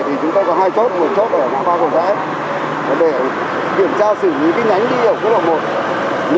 thì chúng ta có hai chốt một chốt ở pháp vân cầu rẽ để kiểm tra xử lý cái nhánh đi ở quốc lộ một